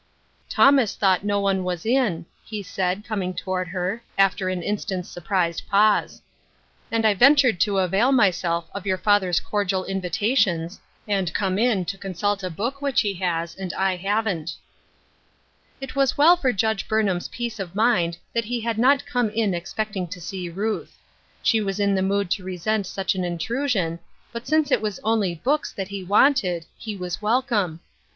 "Thomas thought no one was in," he said, ^ming toward her, after an instant's surprised pause, " and I ventured to avail myself of your father's cordial invitations, and come in to con 8ult a book which he has, and I haven't." 78 Ruth Erskines Crosses, It was well for Judge Biirnham's peace of mind that he had not come in expecting to see Ruth. She was in the mood to resent such an intrusion, but since it was only books that he wanted, he was welcome.